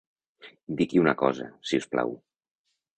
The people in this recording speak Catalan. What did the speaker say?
Indiqui una cosa, si us plau.